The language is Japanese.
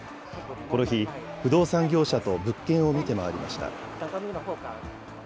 この日、不動産業者と物件を見て回りました。